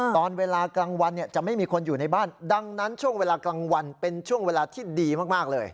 ตอนเวลากลางวันจะไม่มีคนอยู่ในบ้านดังนั้นช่วงเวลากลางวันเป็นช่วงเวลาที่ดีมากเลย